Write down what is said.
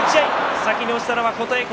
先に落ちたのは琴恵光。